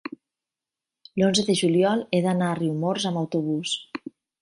l'onze de juliol he d'anar a Riumors amb autobús.